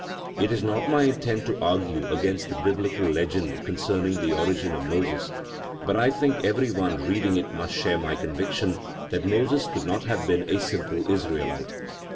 It is not my intent to argue against the Biblical legend concerning the origin of Moses, but I think everyone reading it must share my conviction that Moses could not have been a simple Israelite.